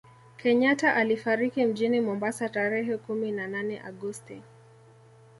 kenyatta alifariki mjini Mombasa tarehe kumi na nane agosti